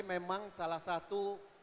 memang salah satu